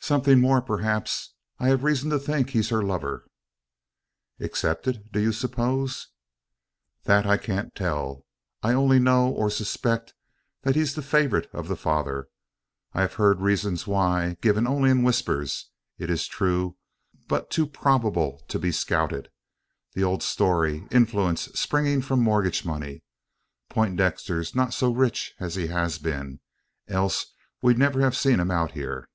"Something more, perhaps. I have reason to think he's her lover." "Accepted, do you suppose?" "That I can't tell. I only know, or suspect, that he's the favourite of the father. I have heard reasons why; given only in whispers, it is true, but too probable to be scouted. The old story influence springing from mortgage money. Poindexter's not so rich as he has been else we'd never have seen him out here."